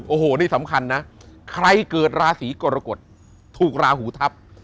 โอ้โหนี่สำคัญนะใครเกิดราศีกรกฎถูกราหูทัพ